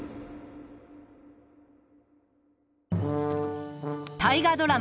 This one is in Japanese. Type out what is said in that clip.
８月大河ドラマ